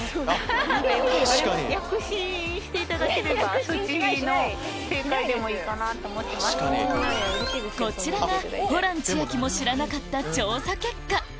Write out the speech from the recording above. まずはというわけでこちらがホラン千秋も知らなかった調査結果